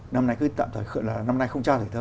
năm nay không trao thử thơ